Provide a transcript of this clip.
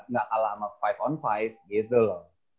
gak kalah sama lima on lima gitu loh